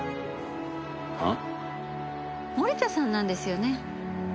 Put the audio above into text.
森田さんなんですよね？